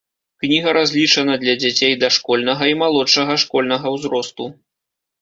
Кніга разлічана для дзяцей дашкольнага і малодшага школьнага ўзросту.